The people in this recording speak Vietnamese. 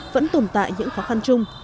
vẫn tồn tại những khó khăn chung